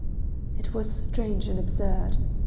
It was strange and absurd.